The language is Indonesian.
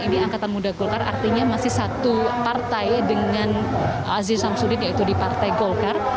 ini angkatan muda golkar artinya masih satu partai dengan aziz samsudin yaitu di partai golkar